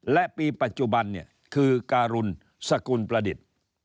และปีปัจจุบันเนี่ยคือการุณสกุลประดิษฐ์